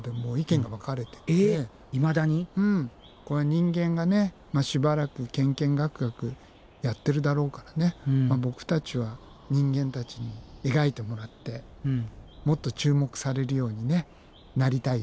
人間がしばらくケンケンガクガクやってるだろうからボクたちは人間たちに描いてもらってもっと注目されるようになりたいよね。